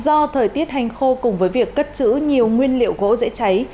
do thời tiết hành khô cùng với việc cất chữ nhiều nguyên liệu gỗ dễ cháy